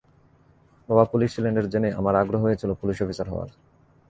বাবা পুলিশ ছিলেন এটা জেনেই আমার আগ্রহ হয়েছিল পুলিশ অফিসার হওয়ার।